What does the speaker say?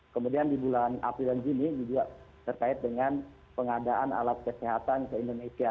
kemudian di bulan april dan juni juga terkait dengan pengadaan alat kesehatan ke indonesia